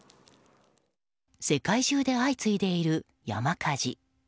世界中で相次いでいる山火事。